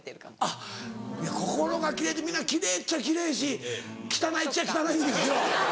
あっいや心が奇麗って皆奇麗っちゃ奇麗やし汚いっちゃ汚いんですよ。